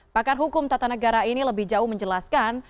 pakar hukum tata negara ini lebih jauh menjelaskan